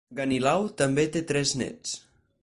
Ganilau també té tres nets.